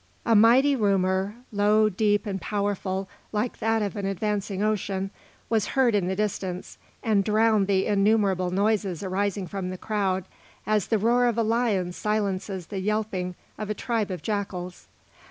A mighty rumour, low, deep, and powerful, like that of an advancing ocean, was heard in the distance and drowned the innumerable noises arising from the crowd, as the roar of a lion silences the yelping of a tribe of jackals.